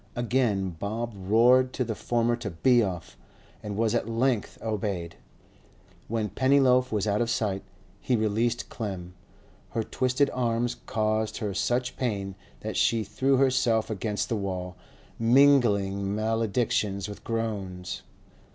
Again Bob roared to the former to be off, and was at length obeyed. When Pennyloaf was out of sight he released Clem. Her twisted arms caused her such pain that she threw herself against the wall, mingling maledictions with groans.